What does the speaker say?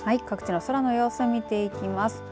各地の空の様子を見ていきます。